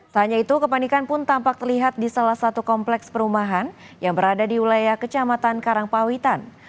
tak hanya itu kepanikan pun tampak terlihat di salah satu kompleks perumahan yang berada di wilayah kecamatan karangpawitan